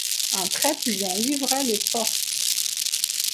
Un traître lui en livra les portes.